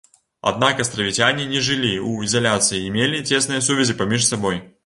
Аднак астравіцяне не жылі ў ізаляцыі і мелі цесныя сувязі паміж сабой.